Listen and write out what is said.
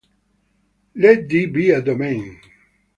Let "D" be a domain.